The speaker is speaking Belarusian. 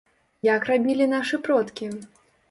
Як рабілі нашы продкі?